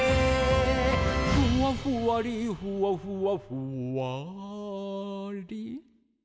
「ふわふわりふわふわふわり」